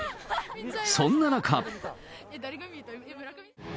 そんな中。